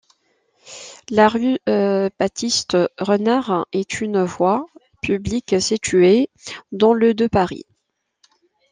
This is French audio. La rue Baptiste-Renard est une voie publique située dans le de Paris.